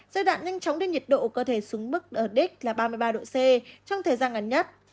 giai đoạn nhanh chóng đưa nhiệt độ có thể xuống mức ở đích là ba mươi ba độ c trong thời gian ngắn nhất